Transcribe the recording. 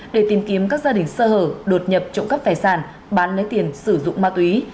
để tìm kiếm các gia đình sơ hở đột nhập trộm cắp tài sản bán lấy tiền sử dụng ma túy